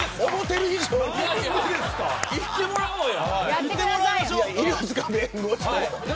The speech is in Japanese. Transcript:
行ってもらおうや。